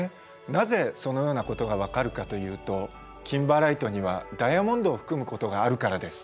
なぜそのようなことが分かるかというとキンバーライトにはダイヤモンドを含むことがあるからです。